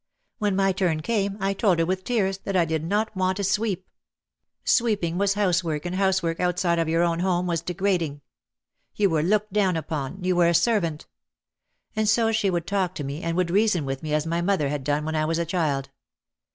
When my turn came I told her with tears that I did not want to 282 OUT OF THE SHADOW sweep. Sweeping was housework and housework out side of your own home was degrading. You were looked down upon, you were a servant. And so she would talk to me and would reason with me as my mother had done when I was a child.